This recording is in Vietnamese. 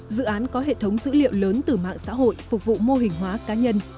dự án có hệ thống dữ liệu lớn từ mạng xã hội phục vụ mô hình hóa cá nhân